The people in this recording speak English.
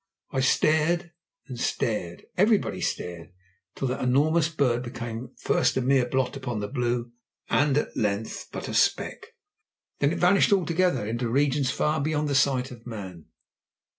I stared and stared. Everybody stared, till that enormous bird became, first a mere blot upon the blue, and at length but a speck. Then it vanished altogether into regions far beyond the sight of man.